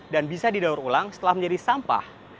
dan bisa didaur ulang setelah menjadi sampah